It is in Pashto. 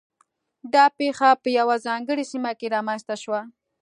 دا پېښه په یوه ځانګړې سیمه کې رامنځته شوه.